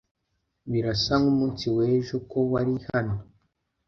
birasa nkumunsi wejo ko wari hano